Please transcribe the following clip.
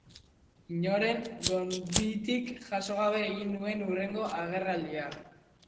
Inoren gonbitik jaso gabe egin nuen hurrengo agerraldia.